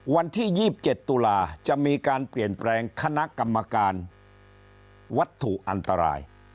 วันที่๒๗ตุลาจะมีการเปลี่ยนแปลงคณะกรรมการวัตถุอันตราย